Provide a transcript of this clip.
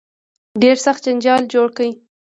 ډېر سخت جنجال جوړ کړ.